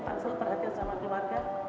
pasti perlu perhatian sama keluarga